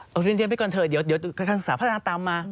เอาเรียนเรียนไปก่อนเถอะเดี๋ยวสาธารณะตามมา